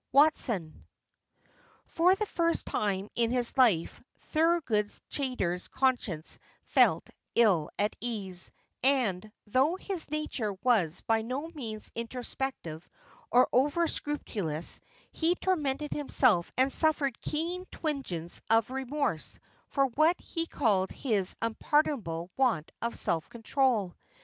WATSON. For the first time in his life Thorold Chaytor's conscience felt ill at ease; and, though his nature was by no means introspective or over scrupulous, he tormented himself and suffered keen twinges of remorse, for what he called his unpardonable want of self control.